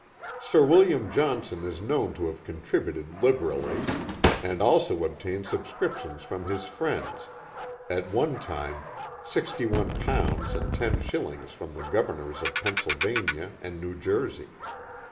Sir William Johnson is known to have contributed liberally, and also obtained subscriptions from his friends — at one time sixty one pounds and ten shillings from the Governors of Pennsylvania and New Jersey.